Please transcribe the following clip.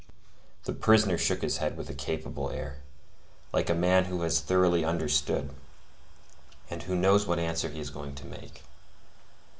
The prisoner shook his head with a capable air, like a man who has thoroughly understood, and who knows what answer he is going to make.